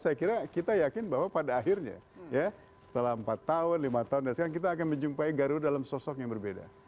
saya kira kita yakin bahwa pada akhirnya ya setelah empat tahun lima tahun dan sekarang kita akan menjumpai garuda dalam sosok yang berbeda